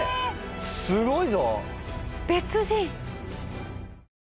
すごいぞ！